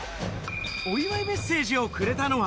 お祝いメッセージをくれたのは。